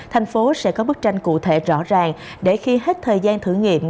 thành phố sẽ có bức tranh cụ thể rõ ràng để khi hết thời gian thử nghiệm